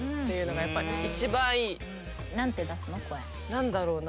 何だろうな？